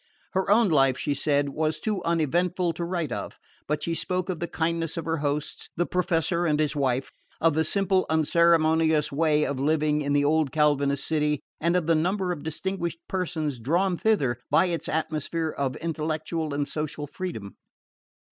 Her own life, she said, was too uneventful to write of; but she spoke of the kindness of her hosts, the Professor and his wife, of the simple unceremonious way of living in the old Calvinist city, and of the number of distinguished persons drawn thither by its atmosphere of intellectual and social freedom.